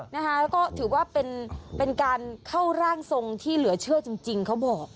แล้วก็ถือว่าเป็นการเข้าร่างทรงที่เหลือเชื่อจริงเขาบอก